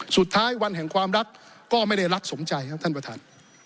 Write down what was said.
สุดท้ายวันแห่งความรักก็ไม่ได้รักสมใจครับท่านประธาน